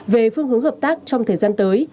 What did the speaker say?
về phương hướng hợp tác trong thời gian tới